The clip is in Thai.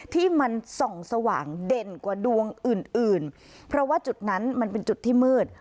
ที่มันส่องสว่างเด่นกว่าดวงอื่นอื่นเพราะว่าจุดนั้นมันเป็นจุดที่มืด